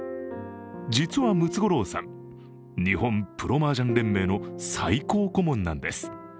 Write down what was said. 実はムツゴロウさん、日本プロ麻雀連盟の最高顧問なんです。